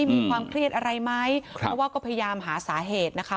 มีความเครียดอะไรไหมเพราะว่าก็พยายามหาสาเหตุนะคะ